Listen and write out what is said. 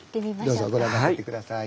どうぞご覧になっていって下さい。